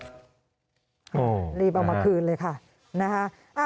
โอ้นะฮะอรีบเอามาคืนเลยค่ะนะฮะ